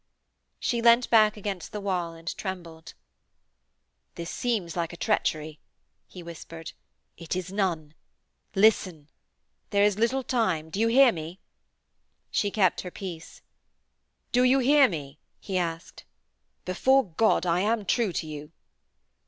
She leant back against the wall and trembled. 'This seems like a treachery,' he whispered. 'It is none. Listen? There is little time! Do you hear me?' She kept her peace. 'Do you hear me?' he asked. 'Before God, I am true to you.'